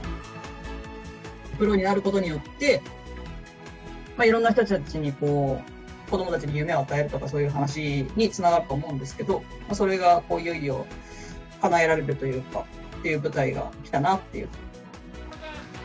プロになることによって、いろんな人たちに、子どもたちに夢を与えるとか、そういう話につながると思うんですけど、それがいよいよかなえられるというか、舞台がきたなっていう感じ。